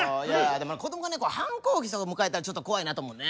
でも子供がね反抗期迎えたらちょっと怖いなと思うね。